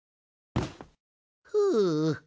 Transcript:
ふう。